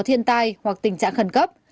có thiên tai hoặc tình trạng khẩn cấp